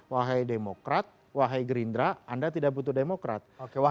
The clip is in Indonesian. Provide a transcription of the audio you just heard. wahai demokrat wahai gerindra anda tidak butuh demokrat